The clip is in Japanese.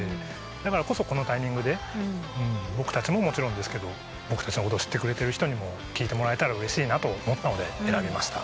だからこそこのタイミングで僕たちももちろんですけど僕たちのことを知ってくれてる人にも聴いてもらえたらうれしいなと思ったので選びました。